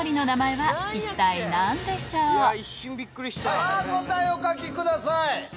さぁ答えお書きください。